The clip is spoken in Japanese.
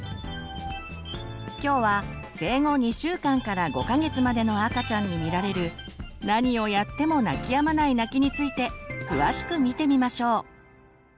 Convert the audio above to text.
今日は生後２週間から５か月までの赤ちゃんに見られる何をやっても泣きやまない泣きについて詳しく見てみましょう。